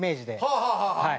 はあはあはあはあ。